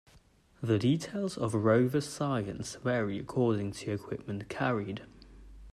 The details of rover science vary according to equipment carried.